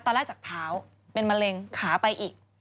จากแรกจากเท้าเป็นมะเร็งขาไปอีก